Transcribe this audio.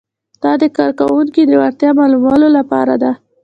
دا د کارکوونکي د وړتیا معلومولو لپاره ده.